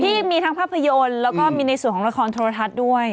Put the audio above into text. ที่มีทั้งภาพยนตร์แล้วก็มีในส่วนของละครโทรทัศน์ด้วย